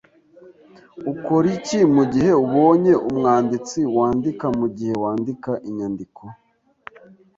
Ukora iki mugihe ubonye umwanditsi wandika mugihe wandika inyandiko?